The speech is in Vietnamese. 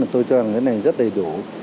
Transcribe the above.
tôi cho rằng cái này rất đầy đủ